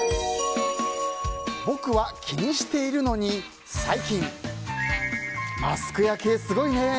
僕は気にしているのに最近マスク焼けすごいね！